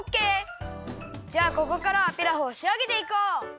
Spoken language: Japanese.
じゃあここからはピラフをしあげていこう！